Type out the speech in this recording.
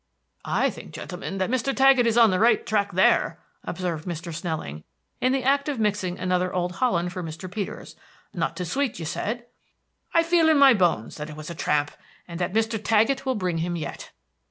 "I think, gentlemen, that Mr. Taggett is on the right track there," observed Mr. Snelling, in the act of mixing another Old Holland for Mr. Peters. "Not too sweet, you said? I feel it in my bones that it was a tramp, and that Mr. Taggett will bring him yet."